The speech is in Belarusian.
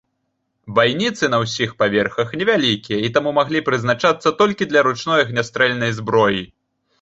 Байніцы на ўсіх паверхах невялікія, і таму маглі прызначацца толькі для ручной агнястрэльнай зброі.